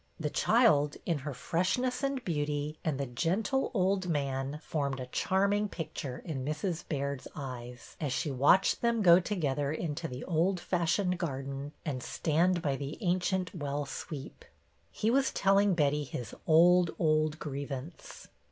The child, in her freshness and beauty, and the gentle old man JANE'S "SEED PICTER" 193 formed a charming picture in Mrs. Baird's eyes, as she watched them go together into the old fashioned garden and stand by the ancient well sweep. He was telling Betty his old, old grievance.